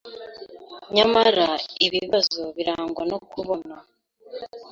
Nyamara ibibazo birangwa no kubona